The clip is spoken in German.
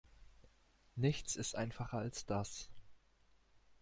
Nichts ist einfacher als das.